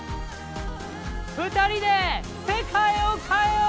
二人で世界を変えよう！